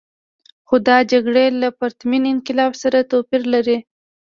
خو دا جګړې له پرتمین انقلاب سره توپیر لري.